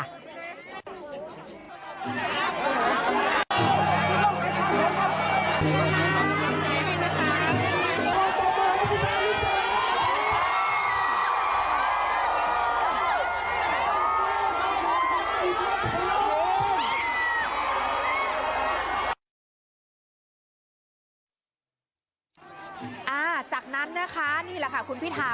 จากนั้นนะคะนี่แหละค่ะคุณพิธา